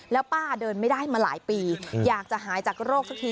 แล้วป้าเดินไม่ได้มาหลายปีอยากจะหายจากโรคสักที